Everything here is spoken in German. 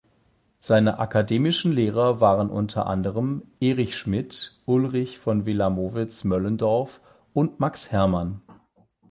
Seine akademischen Lehrer waren unter anderem Erich Schmidt, Ulrich von Wilamowitz-Moellendorff und Max Herrmann.